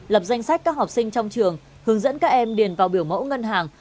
lập danh sách các học sinh trong trường hướng dẫn các em điền vào biểu mẫu ngân hàng